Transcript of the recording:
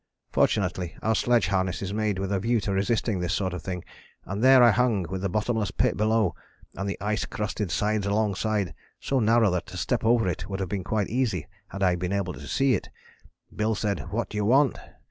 Fortunately our sledge harness is made with a view to resisting this sort of thing, and there I hung with the bottomless pit below and the ice crusted sides alongside, so narrow that to step over it would have been quite easy had I been able to see it. Bill said, 'What do you want?'